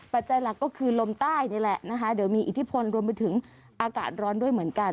ปัจจัยหลักก็คือลมใต้นี่แหละนะคะเดี๋ยวมีอิทธิพลรวมไปถึงอากาศร้อนด้วยเหมือนกัน